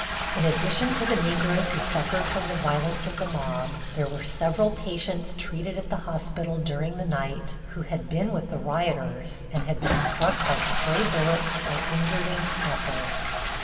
In addition to the Negroes who suffered from the violence of the mob there were several patients treated at the hospital during the night who had been with the rioters and had been struck by stray bullets or injured in scuffles.